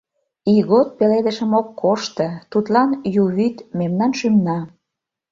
Ийгот пеледышым ок кошто, тудлан ю вӱд — мемнан шӱмна.